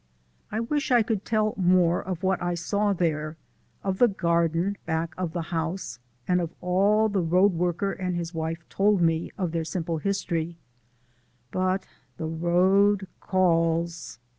I wish I could tell more of what I saw there, of the garden back of the house, and of all the road worker and his wife told me of their simple history but, the road calls!